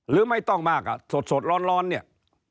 หรือไม่ต้องมากอ่ะสดร้อนเนี่ย